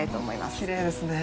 きれいですね。